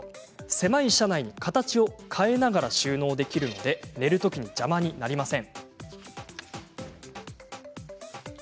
狭い車内に形を変えながら収納できるので寝るときに邪魔になりません。